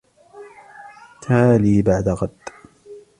تعالي بعد غد.